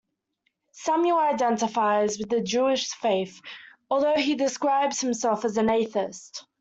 Samuel identifies with the Jewish faith, although he describes himself as an atheist.